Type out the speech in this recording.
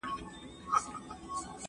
¬ ښه مه کوه، بد به نه در رسېږي.